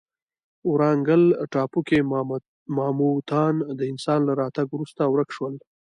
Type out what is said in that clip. ورانګل ټاپو کې ماموتان د انسان له راتګ وروسته ورک شول.